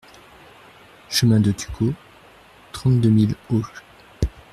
Chemin de Tuco, trente-deux mille Auch